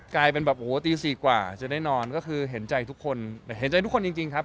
กลายเป็นแบบโอ้โหตีสี่กว่าจะได้นอนก็คือเห็นใจทุกคนเห็นใจทุกคนจริงจริงครับ